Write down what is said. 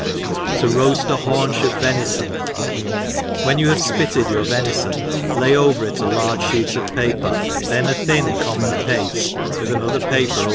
' Td roajt i? Haunch ^/^Venison. WHEN, you have fpitted your venifon, lay tiver it ft large fheet of paper, then a thin com« Imbt) pafte with another paper.